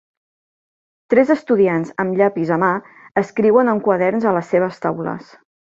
Tres estudiants amb llapis a mà escriuen en quaderns a les seves taules.